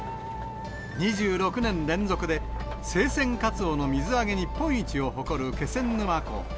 ２６年連続で生鮮カツオの水揚げ日本一を誇る気仙沼港。